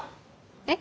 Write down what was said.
えっ？